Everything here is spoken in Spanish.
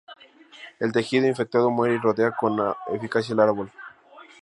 El tejido infectado muere y rodea con eficacia el árbol.